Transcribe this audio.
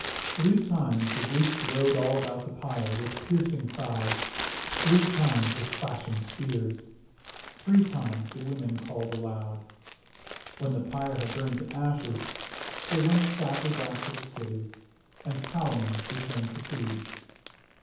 Three times the Greeks rode all about the pyre with piercing cries; three times with clash ing spears; three times the women called aloud. When the pyre had burned to ashes, they went sadly back to the city, and Palamon returned to Thebes.